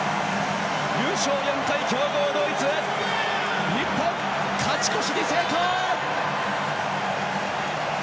優勝４回、強豪ドイツに日本、勝ち越しに成功！